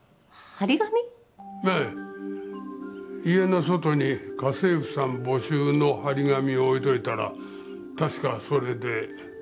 家の外に家政婦さん募集の貼り紙を置いといたらたしかそれで。